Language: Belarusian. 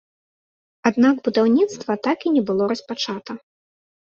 Аднак будаўніцтва так і не было распачата.